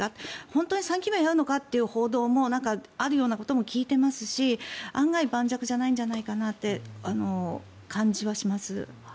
本当に３期目をやるのかという報道もあるのかということも聞いていますし案外、盤石じゃないんじゃないかなという感じがします。